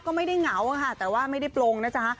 ก็ไม่ได้เหงาค่ะแต่ว่าไม่ได้ปลงนะจ๊ะ